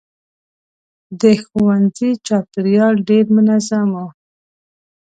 د ښوونځي چاپېریال ډېر منظم و.